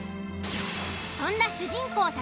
そんな主人公匠